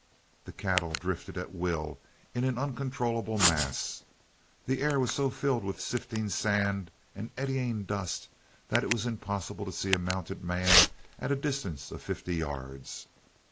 The cattle drifted at will in an uncontrollable mass. The air was so filled with sifting sand and eddying dust that it was impossible to see a mounted man at a distance of fifty yards.